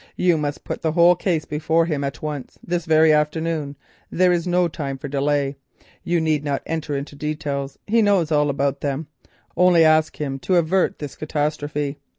You must put the whole case before him at once—this very afternoon, there is no time for delay; you need not enter into details, he knows all about them—only ask him to avert this catastrophe.